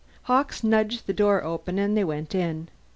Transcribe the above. Hawkes nudged the door open and they went in.